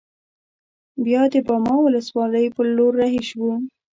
بیا د باما ولسوالۍ پر لور رهي شوو.